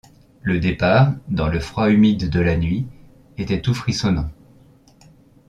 Le départ, dans le froid humide de la nuit, était tout frissonnant.